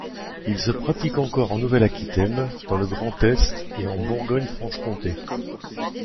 Il se pratique encore en Nouvelle-Aquitaine, dans le Grand Est et en Bourgogne-Franche-Comté.